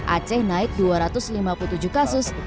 aceh naik dua ratus lima puluh tujuh kasus